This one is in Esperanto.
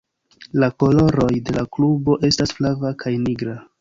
La koloroj de la klubo estas flava kaj nigra.